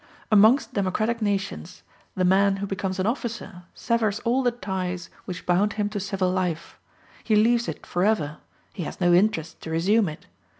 Amongst democratic nations, the man who becomes an officer severs all the ties which bound him to civil life; he leaves it forever; he has no interest to resume it.